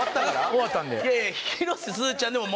終わったんで。